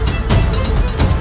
aku tidak mau